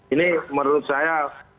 ini menurut saya